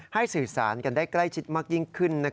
สื่อสารกันได้ใกล้ชิดมากยิ่งขึ้น